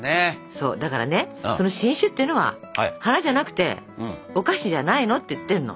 そうだからねその新種っていうのは花じゃなくてお菓子じゃないのって言ってるの。